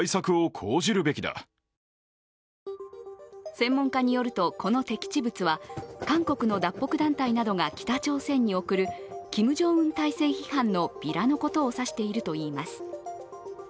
専門家によると、この敵地物は韓国の脱北団体などが北朝鮮に送るキム・ジョンウン体制批判のビラのことを指しているといいます。